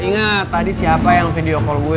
ingat tadi siapa yang video call gue